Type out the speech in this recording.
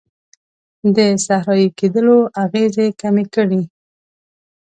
د صحرایې کیدلو اغیزې کمې کړي.